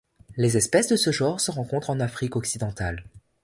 Les espèces de ce genre se rencontrent en Afrique occidentale.